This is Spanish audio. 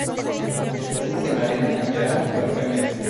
El futuro de Malena cambiara radicalmente.